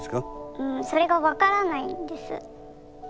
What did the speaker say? うんそれが分からないんです。